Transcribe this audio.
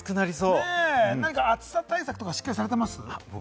何か暑さ対策とか、しっかりされてます？